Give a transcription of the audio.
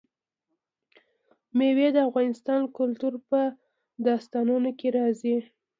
مېوې د افغان کلتور په داستانونو کې راځي.